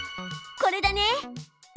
これだね！